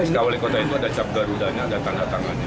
sk wali kota itu ada capgarudanya ada tanda tangannya